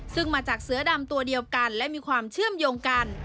ซึ่งมาจากเสือดำตัวเดียวกันและมีความเชื่อมโยงกัน